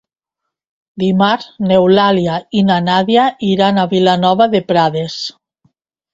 Dimarts n'Eulàlia i na Nàdia iran a Vilanova de Prades.